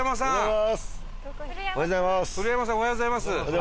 おはようございます。